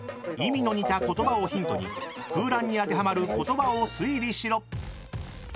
意味の似た言葉をヒントに空欄に当てはまる言葉を推理しろ。